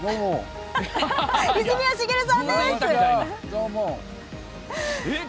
どうも！